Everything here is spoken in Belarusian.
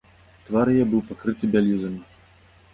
Твар яе быў пакрыты бяліламі.